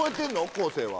昴生は。